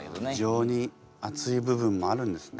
情にあつい部分もあるんですね。